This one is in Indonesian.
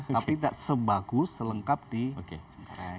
tapi tidak sebagus selengkap di cengkareng